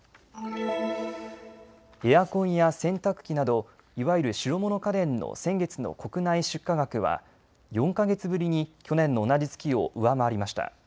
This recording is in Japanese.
エアコンや洗濯機などいわゆる白物家電の先月の国内出荷額は４か月ぶりに去年の同じ月を上回りました。